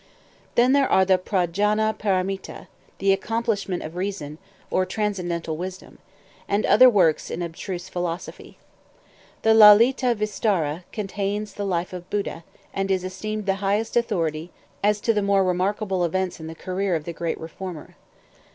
Then there are the "P'ra jana Para mita," (the "Accomplishment of Reason," or "Transcendental Wisdom,)" and other works in abstruse philosophy. The "Lalita Vistara" contains the life of Buddha, and is esteemed the highest authority as to the more remarkable events in the career of the great reformer.